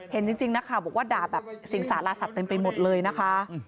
เห็นจริงนะคะบอกว่าด่าแบบสิ่งสาราศักดิ์เป็นไปหมดเลยนะคะ